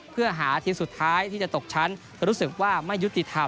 เพื่อหาทีมสุดท้ายที่จะตกชั้นรู้สึกว่าไม่ยุติธรรม